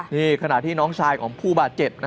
นี่ขณะที่น้องชายของผู้บาดเจ็บ